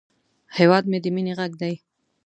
هیواد مې د مینې غږ دی